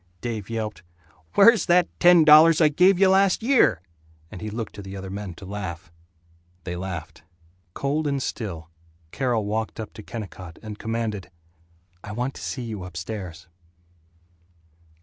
Dave yelped, "Where's that ten dollars I gave you last year?" and he looked to the other men to laugh. They laughed. Cold and still, Carol walked up to Kennicott and commanded, "I want to see you upstairs."